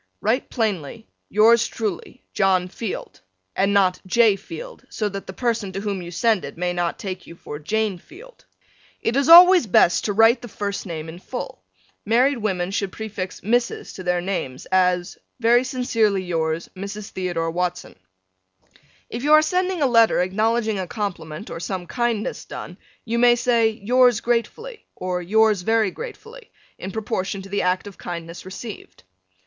Write plainly Yours truly, John Field and not J. Field, so that the person to whom you send it may not take you for Jane Field. It is always best to write the first name in full. Married women should prefix Mrs. to their names, as Very sincerely yours, Mrs. Theodore Watson. If you are sending a letter acknowledging a compliment or some kindness done you may say, Yours gratefully, or Yours very gratefully, in proportion to the act of kindness received.